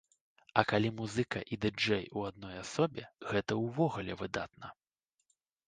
А калі музыка і ды-джэй ў адной асобе, гэта ўвогуле выдатна.